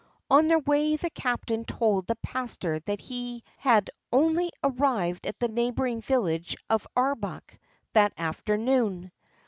On their way the captain told the pastor that he bad only arrived at the neighbouring village of Aurbach that afternoon.